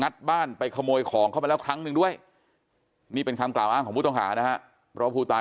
ด้วยมีเป็นคำกล่าวอ้างของผู้ต้องหานะครับเพราะผู้ตาย